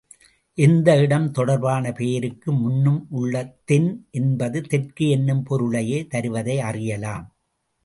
எந்த இடம் தொடர்பான பெயருக்கு முன்னும் உள்ள தென் என்பது தெற்கு என்னும் பொருளையே தருவதை அறியலாம்.